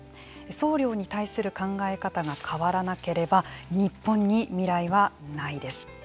送料に対する考え方が変わらなければ日本に未来はないです。